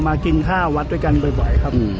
กินข้าววัดด้วยกันบ่อยครับ